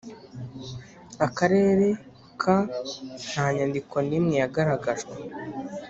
Akarere ka Nta nyandiko n imwe yagaragajwe